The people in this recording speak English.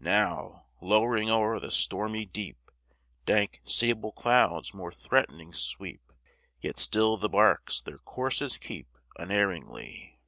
Now, lowering o'er the stormy deep, Dank, sable clouds more threatening sweep: Yet still the barks their courses keep Unerringly.